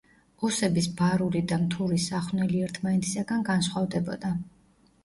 ოსების ბარული და მთური სახვნელი ერთმანეთისაგან განსხვავდებოდა.